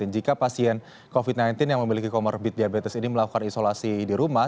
jika pasien covid sembilan belas yang memiliki comorbid diabetes ini melakukan isolasi di rumah